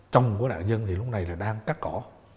trong của đại dân thì lúc này là đang cắt cỏ